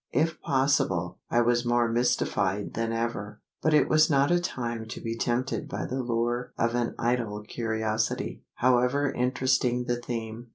If possible, I was more mystified than ever. But it was not a time to be tempted by the lure of an idle curiosity, however interesting the theme.